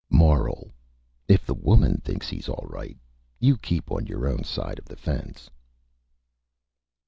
MORAL: _If the Woman thinks he's All Right, you keep on your own Side of the Fence.